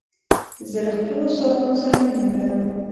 زه له خپلو استادانو سره مینه لرم.